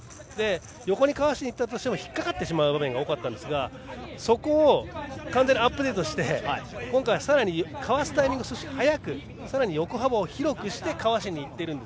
横にかわしても引っかかる場面が多かったんですがそこを完全にアップデートして今回、さらにかわすタイミングを早くさらに横幅を広くしてかわしにいっているんです。